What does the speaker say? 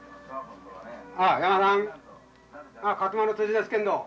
ああ勝丸のですけんど。